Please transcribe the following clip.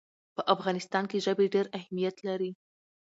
په افغانستان کې ژبې ډېر اهمیت لري.